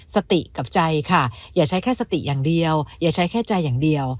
สติกับใจค่ะอย่าใช้แค่สติอย่างเดียวอย่าใช้แค่ใจอย่างเดียว